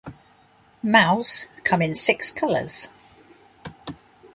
Maus come in six colors.